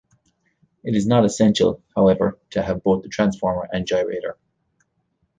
It is not essential, however, to have both the transformer and gyrator.